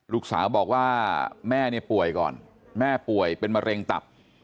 ลูกสาวบอกว่าแม่เนี่ยป่วยก่อนแม่ป่วยเป็นมะเร็งตับ